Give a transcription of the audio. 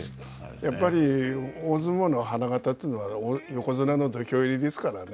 やっぱり、大相撲の花形というのは横綱の土俵入りですからね。